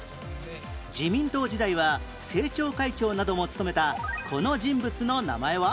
自民党時代は政調会長なども務めたこの人物の名前は？